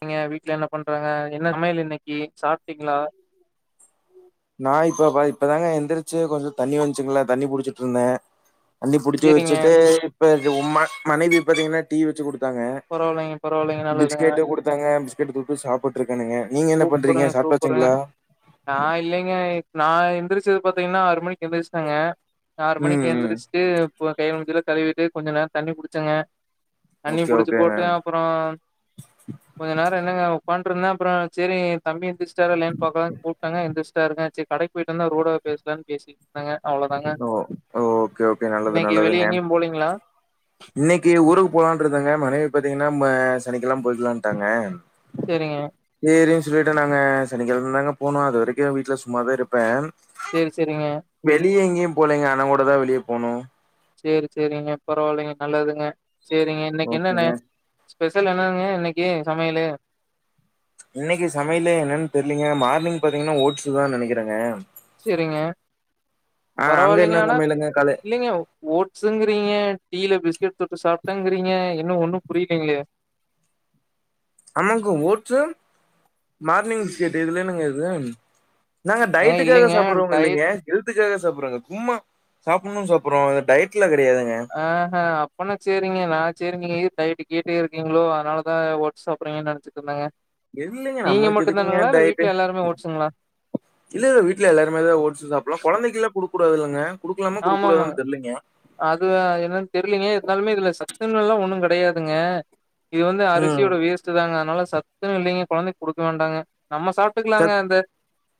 நீங்க வீட்டுல என்ன பண்றாங்க என்ன சமையல் இன்னைக்கு சாப்பிட்டீங்ளா நா இப்ப இப்பதாங்க எந்திரிச்சு கொஞ்சோ தண்ணி வந்துச்சுங்களா தண்ணி புடிச்சுட்டு இருந்த தண்ணி புடுச்சு சேரிங்க வெச்சுட்டு பேருக்கு உண்ம மனைவி பாத்தீங்கன்னா டீ வெச்சு குடு த்தாங்க பரவாயில்லைங்க பரவாயில்லைங்க நல்லதுங்க பிஸ்கெட் குடுத்தாங்க பிஸ்கெட் தொட்டு சாப்பிட்டு இருக்கனுங்க நீங்க என்ன பண்றீங்க சாப்டாச்சுங்ளா ஆஹ் இல்லைங்க நா எந்திரிச்சது பாத்தீங்கன்னா ஆறு மணிக்கு எந்திரிச்டங்க ஆறு மணிக்கு ம் ம் எந்திரிச்சுட்டு [unintelligible] கை கா மூஞ்சிலா கழுவிட்டு கொஞ்ச நேரொ தண்ணி குடிச்சங்க தண்ணி ஓகே புடிச்சு ஓகேங்க போட்டு அப்ற கொஞ்ச நேரொ என்னங்க பன்ட்ருந்த அப்ற சேரி ஏ தம்பி எந்துச்ட்டாரா ல்லயான் பாக்கலான் கூப்ட்டங்க எந்திரிச்டாருங்க சரி கடைக்கு போயிட்டு வந்து அரோட பேசலாம்னு பேசி தாங்க அவ்ளோதாங்க ஓ ஓகே ஓகே நல்லது இன்னைக்கு வெளிய நல்லதுங்க எங்கயு போலீங்ளா இன்னைக்கு ஊருக்கு போலான்ருந்தங்க மனைவி பாத்தீங்னா ம சனிக்கெழம போயக்கலாட்டாங்க செரிங்க சொல்லிட்ட நாங்க சனிக்கெழதாங்க போனு அது வரைக்கு நா வீட்ல சும்மா தாருப்பே சேரி சேரிங்க போலைங்க அண்ண கூட தா வெளிய போணு சேரி சேரிங்க பரவால்லைங்க நல்லதுங்க சேரிங்க இன்னைக்கு என்னன்ன ஓகேங்க ஸ்பெஷல் என்னங்க இன்னைக்கு சமையலு இன்னைக்கு சமையலு என்னன் தெரிலீங்க மார்னிங் பாத்தீங்னா ஓட்ஸுதா நெனைக்குறேங்க சரிங்க அங்க பரவால்லிங்க என்ன ஆனா சமையலுங்க காலை இல்லிங்க ஓட்ஸுங்றீங்க டீல பிஸ்கெட் தொட்டு சாப்ட்டேங்றீங்க இன்னு ஒன்னு புரிலயே ஆமாங்க ஓட்ஸு மார்னிங் பிஸ்கட் இதுலனுங்க இது நாங்க ஏங்க டைட்டுக்காக இல்லைங்க சாப்புட்றோங்க இல்லிங்க டயட் ஹெல்த்துக்காக சாப்புட்றோங் சும்மா சாப்புட்ணு சாப்புட்றோங் டயட்ல ஆ அப்பனா ச்சேரிங்க நா சேரி நீங்க டயட் கிட்டே இருக்கீங்ளோ அதனாலதா ஓட்ஸ் சாப்புட்றீங் நெனைச்சிட்ருந்தேங்க இல்லிங்க நம்ளுக்கு இதுக்குங்க டயட்டு வீட்ல எல்லாருமே ஓட்ஸுங்களா? இல்ல இல்ல வீட்ல எல்லாருமேதா ஓட்ஸ் சாப்புடலா கொழந்தைக்லா குடுக் கூடாதுல்லங்க ஆமாமா அது என்னன் தெரிலிங்க இருந்தாலுமே இதுல சத் [unintelligible] ஒண்ணு கெடையாதுங்க இது வந்து ம் அரிசியோட வேஸ்ட்டு தாங்க அதனால சத்துலா இல்லிங்க கொழந்தைக்கு குடுக்க வேண்டாங்க நம்ம சாப்ட்டுக்கலாங்க சத் அந்த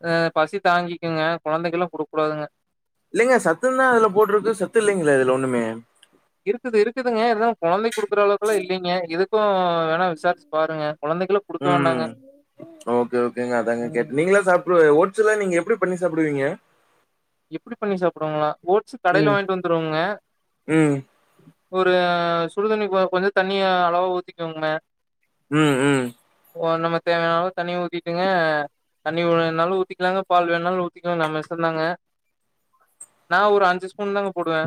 ஆ பசி தாங்கிக்குங்க கொழந்தக்குலா குடுக்கூடாதுங்க இல்லிங்க சத்துன் தா அதுல போட்ருக்கு சத்து இல்லிங்ளா இதுல ஒண்ணுமே இருக்குது இருக்குதுங்க [unintelligible] கொழந்தைக் குடு க்குறளவுக்குலா இல்லிங்க இது க்கு வேணா விசாரிச்சு பாருங்க குழந்தைக்கெல்லாம் குடுக்க உஹம் வேண்டாங்க. ஓகே ஓகேங்க அதாங்க ம். கேட் நீங்கள சாப்புடு ஓ ஆக்ச்சுலா நீங்க எப்புடி பண்ணி சாப்பிடுவீங்க எப்பிடி பண்ணி சாப்புடுவங்களா ஓட்ஸ் கடையில ம். வாங்கிட்டு வந்துருவோங்க ம். ஒரு அ‌ சுடுதண்ணி கொ கொஞ்சோ தண்ணிய அளவா ஊத்திக்கோங்க உம் உம் ஓ நம்மக்கு தேவையானாளவு தண்ணி ஊத்திட்டுங்க தண்ணி வேணாலு ஊத்திக்கலாங்க பால் வேணாலு ஊத்திக்கலாங்க நம்ம இஷ்டோந்தாங்க நான் ஒரு அஞ்சி ஸ் பூன் தாங்க போடுவே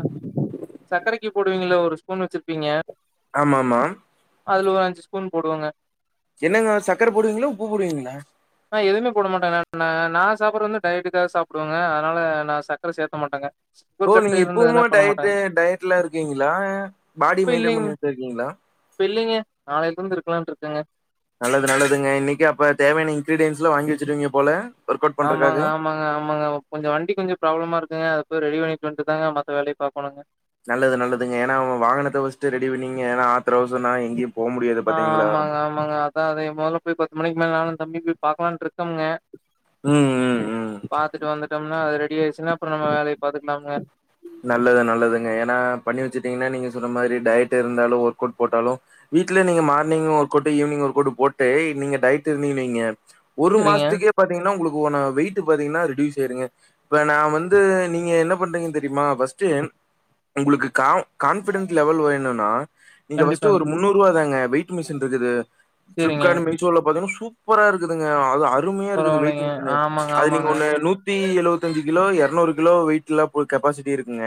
சக்கரைக்கு போடுவீங்களா ஒரு ஸ்பூன் வச்சிருப்பீங்க ஆமாமா அதுல ஒரு அஞ்சு ஸ்பூன் போடுவங்க என்னங்க சக்கர போடுவீங்களா உப்பு போடுவீங்களா நா எதுவுமே போடமாட்டேங்க நா நா சாப்புறது வந்து டய்ட்டுக்காக சாப்புடுவங்க அதனால நா சக்கர சேக்க மாட்டேங்க ஓ சுகர் கட்டு நீங்க இப்பவுமே இருந்ததுன்னா பண்ண டய்ட்டு மாட்டாங்க டய்ட்ல இருக்கீங்களா பாடி இப்ப மெயின்டன் இல்லைங் பண்ணிட்டுருக்கீங்களா இல்லங்க நல்லது நல்லதுங்க இன்னைக்கே அப்ப தேவையான இன்கிரீடியன்ஸ்ல்லா வாங்கி வெச்சருவீங்க போல ஒர்க் அவுட் பண்றதுக்காக. ஆமாங்க ஆமாங்க ஆமாங்க கொஞ்சோ வண்டி கொஞ்சோ ப்ராப்ளமாருக் குங்க அது போய் ரெடி பண்ணிட்டு வந்துட்டுதாங்க மத்த வேலயை பாக்கணுங்க நல்லது நல்லதுங்க ஏனா அவுங்க வாகனத்தை ஃபஸ்ட்டு ரெடி பண்ணீங்க ஏனா ஆத்தரோ அவசரோனா எங்கயும் ஆஹ் ஆமாங்க ஆமாங்க அதா அதே மொதல போய் பத்து மணிக் இன்மே நானு தம்பி போய் பாக்கலான்ருக்கோம்ங்க ம், ம், ம். பாத்துட்டு வந்துட்டு டோம்னா அத ரெடி ஆச்சுன்னா அப்றோ நம்ம வேலையே பாத்துக்கலாம்ங்க நல்லது நல்லதுங்க ஏனா பண்ணி வெச்சுட்டீங்ன்னா நீங்க சொன்ன மாரி டய்ட் இருந்தாலு ஒர்க் அவுட் போட்டாலு வீட்லய நீங்க மார்னிங் ஒர்கவுட் ஈவினிங் ஒர்கவுட் போட்டேய் நீங்க டயட்ருந்தீங்க வெயிங்க ஒரு செரிங்க மாசத்துக்கே பாத்தீங்ன்னா உங்களுக் [unintelligible] வெயிட் பாத்தீங்ன்னா ரெடியூஸ் ஆயிருங்க இப்ப நா வந்து நீங்க என்ன பண்றீங்க தெரி ரிமா ஃபஸ்ட்டு உங்களுக்கு கா-கான்பிடன்ஸ் லெவல் வேணும்னா நீங்க ஃபர்ஸ்ட் கண்டிப்பாங்க ஒரு முன்னூறு ரூபா தாங்க வெயிட் மிஷின் இருக்குது செரிங்க ஃப்லிப்கார்ட் மீசோல பாத்திங்ன்னா சூப் ப்பரா இருக்குதுங்க அ-அது அருமையாருக்குது வெய்ட் பரவால்லைங்க மிஷின்னு ஆமாங்க அது நீங்க ஆமாங்க ஒன்னு நூத் தி எழுபத்திஞ்சு கிலோ இருநூறு கிலோ வெயிட்ல்லா போ கெப்பாசிட்டி இருக்குங்க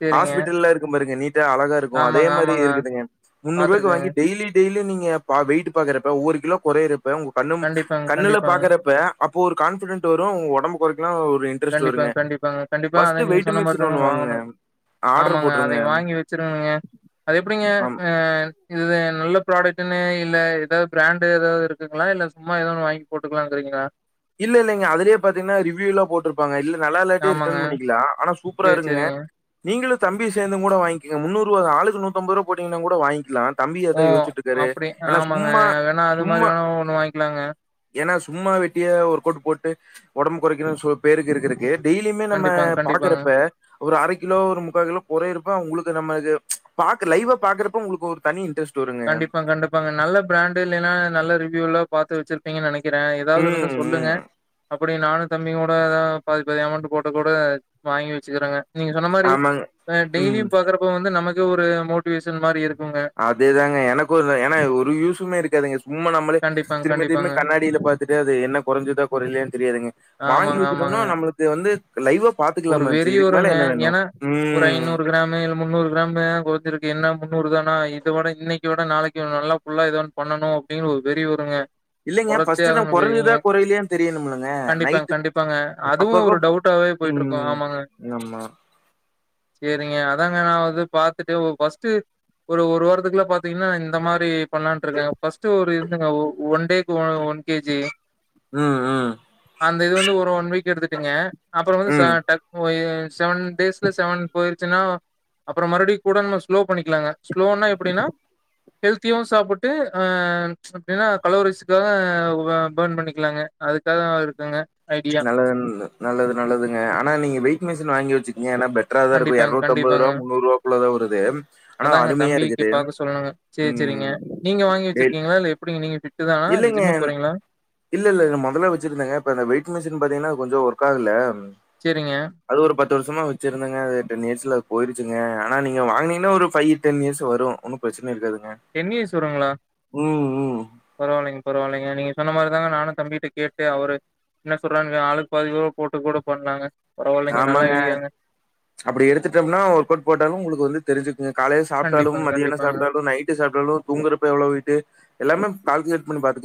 செரிங்க ஹாஸ்பிட்டல்ல இருக்குப் பாருங்க நீ அழகாருக்கு அதே ஆமாங்க மாரி ஆமாங்க இருக்குதுங்க முன்னூறு ரூபாய்க்கி பாத்துருக்கேங்க வாங்கி டெய்லி டெய்லி நீங்க லப்ப வெயிட் பாக்கறப்ப ஒவ்வொரு கிலோ குறையரப் ப உங்க கண்ணும் கண்டிப்பாங்க கண்ணுல கண்டிப்பாங்க பாக்கறப்ப அப்போ ஒரு கான்ஃபிடெட் வரு உங் ஒடம்பு குறை கெல்லா ஒரு இன்ட்ரஸ்ட் வருங்க கண்டிப்பாங்க கண்டிப்பாங்க. கண்டிப்பா அத ஃபஸ்ட்டு நீங்க வெயிட் சொன்ன மிஷின் மாதிரிதாங்க ஒண்ணு வாங்குங்க வாங்கணும் ஆர்டர் ஆமாங்க அதை போட்டுருங்க வாங்கி வச்சிருங்கங்க அது எப்டிங்க ஆம் ஆ இது நல்ல ப்ராடக்டுன்னு இல்ல ஏதாவது பிராண்டு ஏதாவது இருக்குங்களா இல்ல சும்மா ஏதா ஒன்னு வாங்கி போட்டுக்கலானுறீங்களா இல்ல இலங்க அதுலயே பாத்தீங்கன்னா ரிவியூல்லா போட்டிருப்பாங்க இல்ல நல்லால்லாட்டி ஆமாங்க. ரிட்டன் பண்ணிக்கலா ஆனா சூப்பரா சரி, இருக்குங்க சரிங்க. நீங்களுக் தம்பி சேர்ந்து கூட வாங்க முன்னூறு ருவா தா ஆளுக்கு நூத்தம்பது ரூபா போட்டீங்கன்னா கூட வாங்கிக்கலா தம்பி ஓ அதா யோசிச்சுட்டு இருக்காரு அப்டி ஏன்னா ஆமாங்க சும்மா வேணா அது மாதிரி வேணா ஒண்ணு வாங்கிக்கலாங்க சும்மாவெ ட்டியா ஒர்க் அவுட் போட்டு ஒடம்பு குறைக்கனோ சொ பேருக்கு இருக்கு டெய்லியுமே நம்ம கண்டிப்பாங்க, கண்டிப்பாங்க. பாக்குறப்ப ஒரு அர கிலோ ஒரு முக்கால் கிலோ குறைறப உங்களுக் இது நம்ம இது பாக்க லைவா பாக்கறப்ப உங்களுக்கு ஒரு தனி இன்ட்ரெஸ்ட் வருங்க கண்டிப்பா கண்டிப்பாங்க நல்ல பிராண்டு இல்லைன்னா நல்லரி வ்யூல்லா பாத்து வச்சிருப்பீங்க நெனைக் கிற ஏதாவது இருந்தா ம் சொல்லுங்க ம் அ அப்டி நானு தம்பியு கூட எதா பாதி பாதி அமௌண்ட் போட்டு கூட வாங்கி வச்சுக்கிறேங்க நீங்க சொன்ன மாரி ஆமாங்க. ஆ டெய்லியு ம். பாக்குறப்ப வந்து நமக் கு ஒரு மோட்டிவேஷன் மாரி இருக் அதே தாங் க எனக்கு இதா ஏன்னா இது ஒரு யூசுமே இருக்காதுங்க சும்மா நம்மளே கண்டிப்பாங்க, திரும்பி திரும்பி கண்டிப்பாங்க. கண்ணாடியில பாத்துட்டு அது என்ன குறஞ்சதா கொறைலயானு தெரியாதுங்க வாங்கி ஆமாங்க, வச்சுட்டோம்னா ஆமாங்க. நம்மளுக்கு வந்து லைவா ஒரு பாத்துக்கலாமாச்சு. வெறி இதுக்கு வருங்க மேல என்ன வேணும்? ஏன்னா ஒரு ம். ஐநூறு கிராமு இல்ல முன்னூறு கிராமு கொறஞ்சிருக் குன்னா முன்னூறு தானா இத விட இன்னைக்கு விட நாளைக்கு நல்லா ஃபுல்லா எதா ஒன்னு பண்ணணு அப்டின்னு ஒரு வெறி வருங்க இல்லைங்க கொறச்சே ஃபர்ஸ்ட் நம் ஆகணும் வெறிங்க. கொறஞ்சதா கொறையலையானு தெரியனும்லங்க கண்டிப்பாங்க, நைட்டு அப்பப்ப ம் இருக்கு ஆமாங்க ஆமா சேரிங்க அ தாங்க நா வந்து பாத்துட்டு ஒ ஃபர்ஸ்ட்டு ஒரு ஒரு வாரத்துக்குலா பாத்தீங்கன்னா இந்த மாரி பண்லான்ட்டு இருக்கே ஃபர்ஸ்ட்டு ஒரு இருந்தேங்க ஒன்டேக்கு ஒ ஒன் கே ஜி ம் ம் அந்த இது வந்து ஒரு ஒன் வீக் எடுத்து ருங்க அப்புறோ நா ம் டக் போயி செவன் டேஸ்ல செவன் போயிரு ச்சுன்னா அப்றோ மறுபடி கூட நம்ம ஸ்லோ பண்ணிக்லாங்க ஸ்லோனா எப்டின்னா ஹெல்த்தியூ சாப்பிட்டு ஆ அப்டின்னா கலோரிஸ்க்காக ஒ பர்ன் பண்ணிக்லாங்க அதுக்காகவா இருக்குங்க ஐடியா. நல்லதுன் நல்லது நல்லது ங்க ஆனா நீங்க வெயிட் மிஷின் வாங்கி வச்சுக் ங்க ஏனா பெட்ரா தா இருக்கூ கண்டிப்பாங்க, எரநூத்தம்பது கண்டிப்பாங்க. ரூபா முன்னூறுவாக்குள்ள தா வருது ஆனா அதாங்க அருமையா தம்பிக்கு இருக்குது பாக்க சொல்லணுங்க. சேரி, சேரிங்க. ம் நீங்க வாங்கி டீல் வச்சிருக்கீங்களா? இல்ல எப்டிங்க நீங்க ஃபிட்டு தானா? இல்ல இல்லலைங்க ஜிம்முக்கு போறீங்களா? இல்லல்ல இது மொதல்ல வச்சிருந்தேங்க இப்ப இந்த வெயிட் மிஷின் பாத்தீங்னா கொஞ்சோ ஒர்க் ஆகல சேரிங்க. அது ஒரு பத்து வருஷமா வச்சுருந்தேங்க அது டென் இயர்ஸ்ல அது போயிடுச்சுங்க ஆனா நீங்க வாங்குனீங்னா ஒரு ஃபை டென் இயர்ஸ் வரூ ஒன்னூ ப்ரச்சன இருக்காது டென் இயர்ஸ் வரூங்களா ம் பரவால்லைங் பரவால்லைங்க நீங்க சொன்ன மாரி தாங்க நானூ தம்பிட்ட கேட்டு அவரு என்ன சொல்றாங்க ஆளுக்கு பாதி ரூவா போட்டுக் கூட பண்லாங்க ஆமாங்க அப்டி எடுத்துட்டோம்னா ஒர்க்கவுட் போட்டாலூ உங்களுக்கு வந்து தெரிஞ்சு நீங்க காலைல சாப்ட்டாலூ கண்டிப்பாங்க, மதியானோ கண்டிப்பாங்க. சாப்ட்டாலூ நைட்டு சாப்ட்டாலூ தூங்கறப்ப எவ்ளோ வெயிட்டு எல்லாமே கால்குலேட் பண்ணி பாத்துக்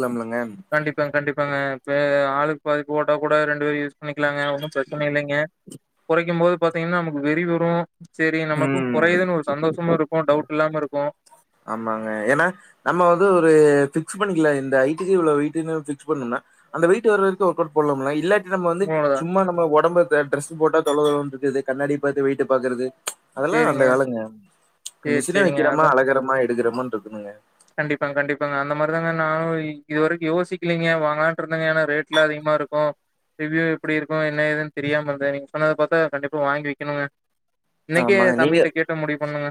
கண்டிப்பாங்க கண்டிப்பாங்க இப்ப ஆளுக் பாதி போட்டா கூட ரெண்டு பேரூ யூஸ் பண்ணிக் க்லாங்க ஒன்னூ ப்ரச்சன இல்லைங்க கொறைக்கும்போது பாத்தீங்னா நமக்கு வெறி வரூ சேரி நமக்கூ ம் கொறையுதுன் ஒரு சந்தோஷமூ இருக்கூ டவுட் இல்லாம இருக்கூ ஆமாங்க ஏனா நம்ம வந்து ஒரு ஃபிக்ஸ் பண்ணிக்லா இந்த ஹைட்க்கு இவ்ளோ வெய்ட்டுனு ஃபிக்ஸ் பண்ணும்ணா அந்த வெய்ட்டு வர்ற வரீக்கூ ஒர்க்கவுட் போட்லாம்ல இல்லாட் டி நம்ம வந்து உண்மதான். சும்மா நம்ம ஒடம்பேத தெ ட்ரெஸ் போட்டா தொல தொலன்ருக்குது கண்ணாடி பாத்து வெயிட்ட பாக்றது அதெலா அந்த சரிங்க. காலங்க சரி, மிஷின வெக்கிறமா அழகிறம் எடுகிறமான்ருக்குதுங்க கண்டிப்பா கண்டிப்பாங்க அந்த மாரிதாங்க நானூ இ இதுவரைக்கூ யோசிக்லிங்க வாங்கலான்ட்ருந்தங்க ஏனா ரேட்லா அதிகமாரிக்கூ ரிவ்யூ எப்டி இருக்கூ என்ன ஏதுன் தெரியாமருந்த நீங்க சொன்னத பாத்தா கண்டிப்பா வாங்கி வெக்கணுங்க இன்னைக்கே ஆமாங்க நீங்க தம்பி கிட்ட கேட்டு முடிவ் பண்ணுங்க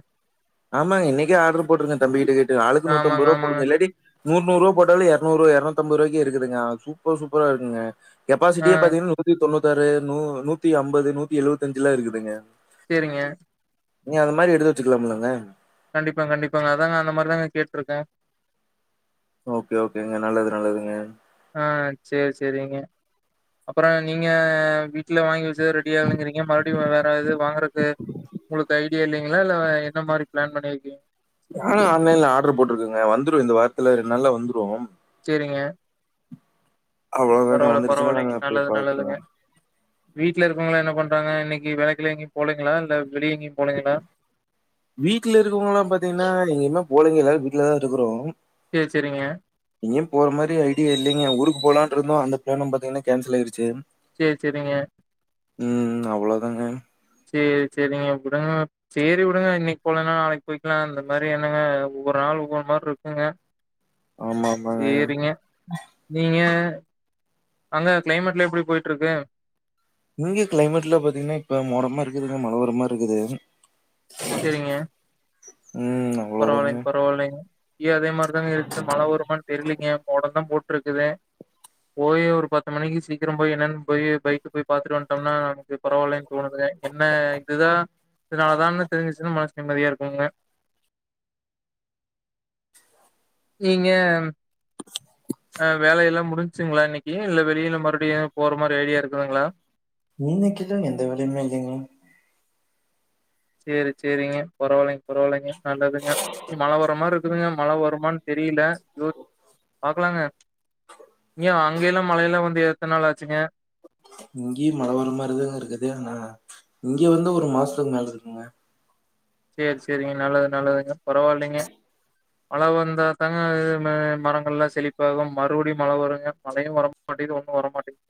ஆமாங்க இன்னைக்கே ஆடர் போட்ருங்க தம்பி கிட்ட கேட் டு ஆளுக்கு ஆமாங்க, நூத்தம்பருவா ஆமாங்க. போடுங்க இல்லாடி நூறு நூறுவா போட்டாலே எரநூறுவா எரநூத் தம்பரூவாய்க்கே இருக்குதுங்க சூப்பர் சூப்பரா இருக்குங்க ஆ கெப்பாசிட்டியே பாத்தீங்னா நூத்தி தொண்ணூத் தாறு நூ நூத்தி அம்பது நூத்தி எழுவத்தஞ்சுலா இருக்குதுங்க செரிங்க நீ அந்த மாரி எடுத்து வச்சுக்லாம்லங்க கண்டிப்பாங் கண்டிப்பாங்க அதாங்க அந்த மாரிதாங்க கேட்ருக்கே ஓகே ஓகேங்க நல்லது நல்லதுங்க ஆ ச்சேர் செரிங்க அப்றம் நீங்க வீட்ல வாங்கி வச்சத ரெடி ஆகலிங்றீங்க மறுடியும் வேற எது வாங்குறக்கு உங்ளுக்கு ஐடியா இல்லைங்ளா இல்ல என்ன மாரி பிளான் பண்ணிரிக்கீங் நானு ஆன்லைன்ல ஆடர் போட்ருக்கங்க வந்துரும் இந்த வாரத்துல ரெண்ட்நால்லா வந்துரும் செரிங்க. அவ்வளோதாங்க பரவால்ல வந்துருச்சுன்னா நாங்க பரவால்லைங்க அப்படியே நல்லது நல்லதுங்க பார்க்குறதுதான். வீட்ல இருக்கவங்களாம் என்ன பண் றாங்க இன்னைக்கி வேலைக்குலா எங்கயோ போலங்ளா இல்ல. வெளிய எங்கயு போலீங்களா வீட்ல இருக்கவுங்கலலாம் பாத்தீங்னா எங்கயுமாே போலைங்க எல்லாரு வீ. வீட்லதா இருக்கறோ. சேரி சேரிங்க எங்யும் போற மாரி ஐடியா இல்லைங்க ஊருக்கு போலான். ட்ருந்தோ அந்த ப்ளானு பாத்திங்னா கேன்சல் ஆயிருச்சு. சேர் செரிங்க ம் அவ்வளோதாங்க. சேர் செரிங்க வுடுங்க. சேரி வுடுங்க இன்னைக்கு போலைனா நாளைக்கு போய்க்லா அந்த மாரி எண்ணுங் ஒவ்வொரு நாளு ஒவ்வொரு மார்ருக்குங்க. ஆமா ஆமாங்க சேரிங்க நீங்க அங்க க்ளைமேட்ல எப்டி போயிட்ருக்கு. இங்க க்ளைமேட்ல பாத்தீங்னா இப்ப மோடமா இருக்குதுங்க மழ வர மாரி இருக்குது செரிங்க. ம் அவ்ளோதாங்க பரவால்லைங் பரவால்லைங் இங்யு அதே மார்தாங்க இருக்கு மழ வருமான் தெர்லிங்க மோடம்தா போட். ருக்குது போய் ஒரு பத்து மணிக்கு சீக்கிரோ போய் என்னன் போயி பைக்கு போய் பாத்திட்டு வன்ட்டோம்னா [unintelligible] பரவால்லைன்னு தோணுதுங்க என்ன இதுதான் இதனாலதான் தெரிஞ்சுரிச்சுனு மனசு நிம்மதியா இருக்குங்க. நீங்க ம். அ வேலயெல்லாம் முடிஞ்சுங்ளா இன்னைக்கு இல்ல வெளில மறுடியும் போற மாரி ஐடியா இருக்குதுங்ளா. இன்னைக்குதா எந்த வேலையுமே இல்லைங்க. சேரி சேரிங்க பரவாயில்லைங்க பரவாயில்லைங்க நல்லதுங்க இங்க மழை வர மாரி துங்க மழை வருமான்னு தெரியல பாக்கலாங்க இங்கயு அங்கல்லாம் மழையெல்லா வந்து எத்த நாள் ஆச்சுங்க இங்கேயு மழை வர மாரிதாங்க இருக்குது ஆனா இங்க வந்து ஒரு மாசத்துக்கு மேல இருக்குங்க சேரி சேரிங்க நல்லது நல்லதுங்க பரவாயில்லைங்க மழை வந்தா தாங்க இது மரங்கள் எல்லாம் செழிப்பாகும் மறுபடியு மழை வருங்க மழையும் வர மாட்டேங்குது ஒண்ணும் வரமாட்டேங்குது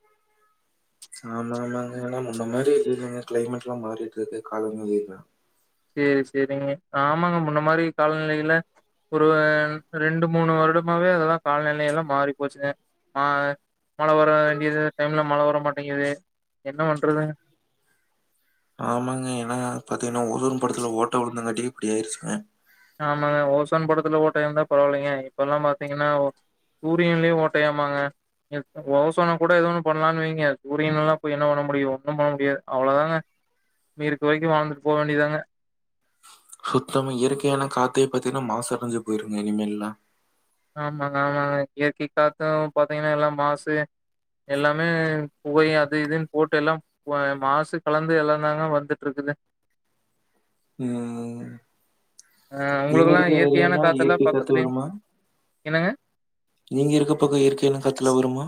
ஆமா ஆமாங்க ஏன்னா முன்ன மாதிரி இங்க கிளைமேட் எல்லாம் மாறிட்டு இருக்கு காலநிலை சேரி சேரிங்க ஆமாங்க முன்ன மாரி காலநிலையில ஒரு ரெண்டு மூணு வருடமாவே அதெல்லா கலநிலையெல்லா மாறி போச்சுங்க மா மழை வர வேண்டியது டைம்ல மழை வரமாட்டேங்குது என்ன பண்றதுங்க ஆமாங்க ஏன்னா பாத்தீங்கன்னா ஓசோன் படலத்துல ஓட்ட விழுந்தங்காட்டி இப்படியாயிருச்சுங்க ஆமாங்க ஓசோன் படலத்துல ஓட்டையாருந்தா பரவாயில்லைங்க இப்பல்லாம் பாத்தீங்கன்னா சூரியன்லயும் ஓட்டையா மாங்க ஓசனை கூட எது ஒண்ணு பண்ணலான்னு வைங்க சூரியன் எல்லாம் போய் என்ன பண்ண முடியும் ஒன்னும் பண்ண முடியாது அவ்ளோதாங்க இ இருக்கு வரைக்கும் வாழ்ந்துட்டு போ வேண்டியதாங்க சுத்தம் இயற்கையான காத்தையே பாத்தீங்கன்னா மாசு அடைஞ்சு போயிருங்க இனிமே எல்லா ஆமாங்க ஆமாங்க இயற்கை காத்தும் பாத்தீங்கன்னா எல்லாம் மாசு எல்லாமே புகை அது இதுன்னு போட்டு எல்லாம் மாசு கலந்து எல்லாம் தாங்க வந்துட்டு இருக்குது ம் அ நீங்க உங்ளுக்கல்லா இருக்க இயற்கையான ஏரியால்லா காத்த எல்லாம் இயற்கை காத்து பக்கத்துலயு வருமா என்னங்க நீங்க இருக்க பக்க இயற்கையான காத்துலா வருமா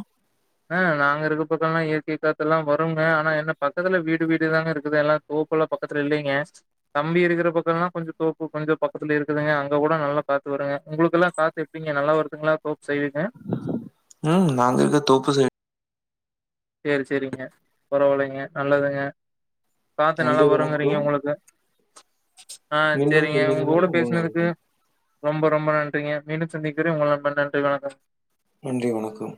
ஆ நாங்க இருக்க பக்கம்ல்லா இயற்கை காத்துல்லா வருங்க ஆனா என்ன பக்கத்துல வீடு வீடுதாங்க இருக்குது எல்லாம் தோப்பு எல்லாம் பக்கத்துல இல்லைங்க தம்பி இருக்கிற பக்கம்லா கொஞ்ச தோப்பு கொஞ்சம் பக்கத்துல இருக்குதுங்க அங்க கூட நல்லா காத்து வருங்க உங்களுக்கெல்லாம் காத்து எப்டிங்க நல்லா வருதுங்களா தோப்பு சைடுங்க ம் நாங்க இருக்க தோப்பு சைடு சேரி சேரிங்க பரவாயில்லைங்க நல்லதுங்க காத்து நன்றி நல்லா வணக்கம். வருங்றீங்க உங்களுக்கு ஆ மீண்டும் சேரிங்க உங்க சந்திக்கும் வரை கூட உங்கள் பேசுனதுக்கு நண்பன். ரொம்ப ரொம்ப நன்றிங்க மீண்டும் சந்திக்கிற உங்கள் நண்பன் நன்றி வணக்கம் நன்றி வணக்கம்